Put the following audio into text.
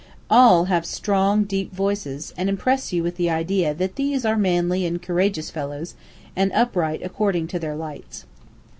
All have strong, deep voices, and impress you with the idea that these are manly and courageous fellows, and upright according to their lights.